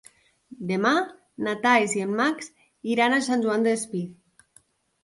Demà na Thaís i en Max iran a Sant Joan Despí.